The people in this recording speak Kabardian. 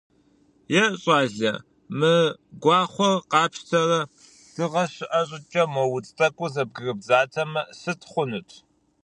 Е, щӏалэ, мы гуахъуэр къапщтэрэ, дыгъэ щыӏэ щӏыкӏэ, мо удзыр тӏэкӏу зэбгырыбдзатэмэ сыт хъунт?